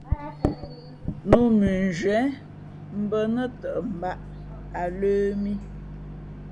Nǔ mʉnzhwīē bα̌ nά tαʼ mbāʼ a lə̄ mī.